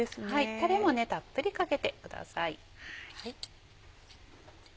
タレもたっぷりかけてください。